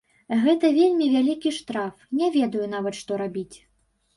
Гэта вельмі вялікі штраф, не ведаю нават, што рабіць.